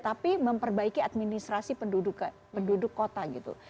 tapi memperbaiki administrasi penduduk kota gitu